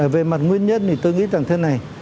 về mặt nguyên nhân thì tôi nghĩ rằng thế này